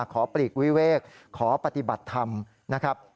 ปลีกวิเวกขอปฏิบัติธรรมนะครับ